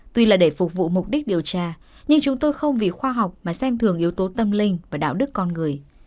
tuy là để phục vụ mục đích điều tra nhưng chúng tôi không vì khoa học mà xem thường yếu tố tâm linh và đạo đức con người